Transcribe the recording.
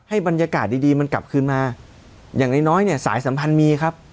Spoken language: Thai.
บรรยากาศดีดีมันกลับคืนมาอย่างน้อยน้อยเนี่ยสายสัมพันธ์มีครับ